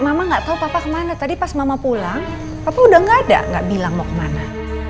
mama gak tahu papa kemana tadi pas mama pulang papa udah nggak ada nggak bilang mau kemana